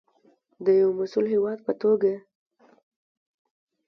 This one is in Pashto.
د یو مسوول هیواد په توګه.